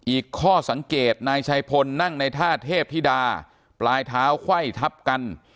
อีกข้อสังเกตนายชัยพลนั่งในท่าเทพธิดาปลายเท้าไขว้ทับกัน